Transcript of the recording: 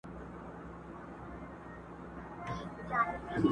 پر تاخچو، پر صندوقونو پر کونجونو٫